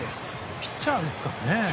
ピッチャーですからね。